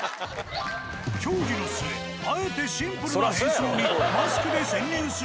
協議の末あえてシンプルな変装にマスクで潜入する事に。